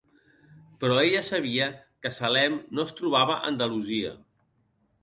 Però ella sabia que Salem no es trobava a Andalusia.